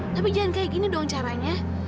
tapi jangan kayak gini dong caranya